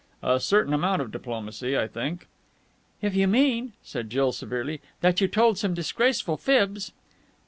A certain amount of diplomacy, I think!" "If you mean," said Jill severely, "that you told some disgraceful fibs...."